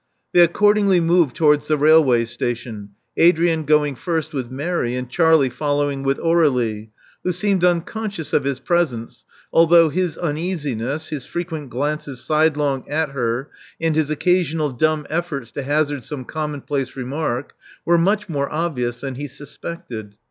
They accordingly moved towards the railway station, Adrian going first with Mary, and Charlie following with Aur^lie, who seemed unconscious of his presence, although his uneasiness, his frequent glances sidelong at her, and his occasional dumb efiforts to hazard some commonplace remark, were much more obvious than he suspected.